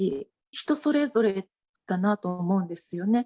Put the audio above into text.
人それぞれだなと思うんですよね。